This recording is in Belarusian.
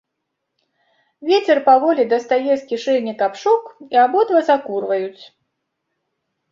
Вецер паволі дастае з кішэні капшук, і абодва закурваюць.